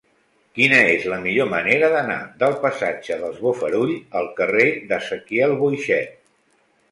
Quina és la millor manera d'anar del passatge dels Bofarull al carrer d'Ezequiel Boixet?